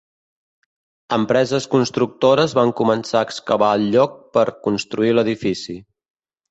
Empreses constructores van començar a excavar el lloc per construir l'edifici.